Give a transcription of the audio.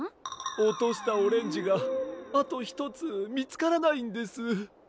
おとしたオレンジがあとひとつみつからないんです。